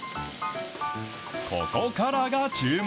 ここからが注目。